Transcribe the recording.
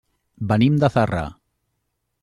Venim de Zarra.